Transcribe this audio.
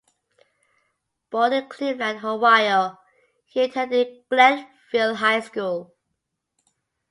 Born in Cleveland, Ohio, he attended Glenville High School.